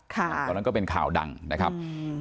ตอนนั้นก็เป็นข่าวดังนะครับ